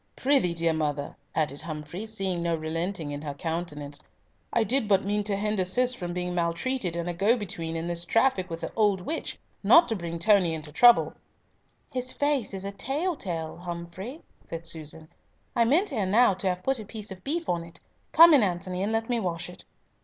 "Prithee, dear mother," added Humfrey, seeing no relenting in her countenance, "I did but mean to hinder Cis from being maltreated and a go between in this traffic with an old witch, not to bring Tony into trouble." "His face is a tell tale, Humfrey," said Susan. "I meant ere now to have put a piece of beef on it. Come in, Antony, and let me wash it."